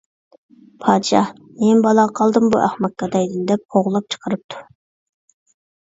پادىشاھ: «نېمە بالاغا قالدىم بۇ ئەخمەق گادايدىن» دەپ قوغلاپ چىقىرىپتۇ.